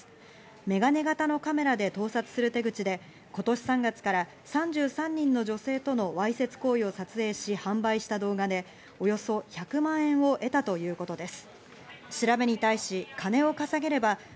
メガネ型のカメラで盗撮する手口で今年３月から３３人の女性とのわいせつ行為を撮影し販売した動画でおよそ１００万円を得たということです。